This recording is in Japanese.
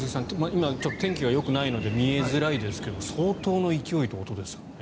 今、天気がよくないので見えづらいですが、相当の勢いということですからね。